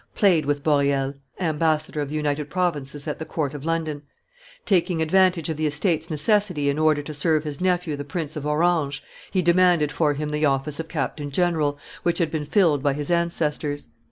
played with Boreel, ambassador of the United Provinces at the court of London; taking advantage of the Estates' necessity in order to serve his nephew the Prince of Orange, he demanded for him the office of captain general, which had been filled by his ancestors.